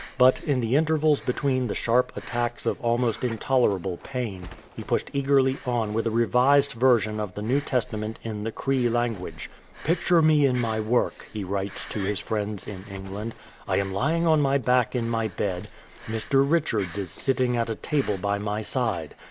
I^ut in the intervals between the sharp attacks of almost intolerable pain, he pushed eagerly on with a revised version of the New Testament in the Cree language : "Picture me in my work," he writes to his friends in England. "I am lying on my back in my bed, Mr. Richards is sitting at a table by my side.